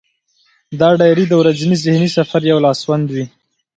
دا ډایري د ورځني ذهني سفر یو لاسوند وي.